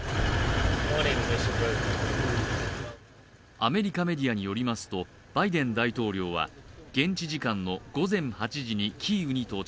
アメリカメディアによりますとバイデン大統領は現地時間の午前８時にキーウに到着。